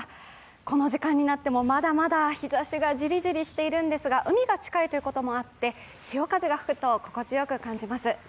この時間になっても、まだまだ日ざしがジリジリしているんですが海が近いということもあって潮風が吹くと、心地よく感じます。